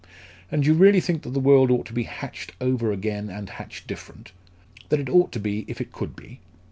"And you really think that the world ought to be 'hatched over again and hatched different'? That it ought to be, if it could be?"